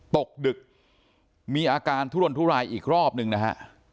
ตกดึกมีอาการทุรนทุรายอีกรอบนึงนะฮะ